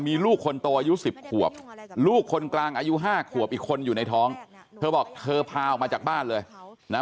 มีลูกคนโตอายุสิบขวบลูกคนกลางอายุห้าขวบอีกคนอยู่ในท้องเธอบอกเธอพาออกมาจากบ้านเลยนะ